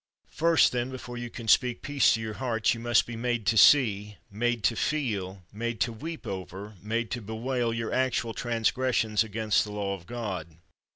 First, then, before you can speak peace to your hearts, you must be made to see, made to feel, made to weep over, made to bewail, your actual transgressions against the law of God.